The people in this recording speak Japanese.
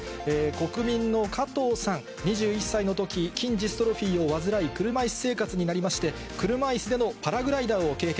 国民の加藤さん、２１歳のとき、筋ジストロフィーを患い、車いす生活になりまして、車いすでのパラグライダーを経験。